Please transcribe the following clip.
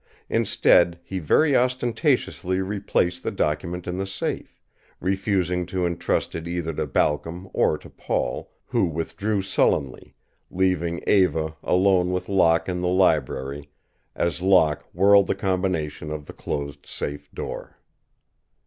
Instead, he very ostentatiously replaced the document in the safe, refusing to intrust it either to Balcom or to Paul, who withdrew sullenly, leaving Eva alone with Locke in the library as Locke whirled the combination of the closed safe door.